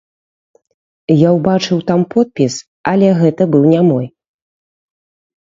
Я ўбачыў там подпіс, але гэта быў не мой.